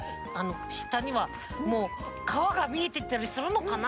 したにはもうかわがみえてたりするのかな。